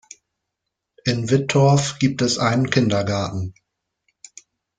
In Wittorf gibt es einen Kindergarten.